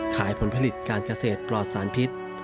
ผลผลิตการเกษตรปลอดสารพิษ